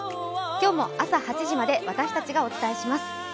今日も朝８時まで私たちがお伝えします。